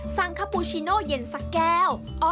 สังคปูชิโน่เย็นสักแก้ว